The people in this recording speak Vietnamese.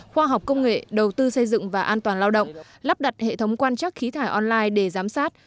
khoa học công nghệ đầu tư xây dựng và an toàn lao động lắp đặt hệ thống quan trắc khí thải online để giám sát